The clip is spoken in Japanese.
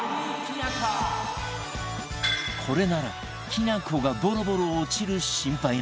これならきなこがボロボロ落ちる心配なし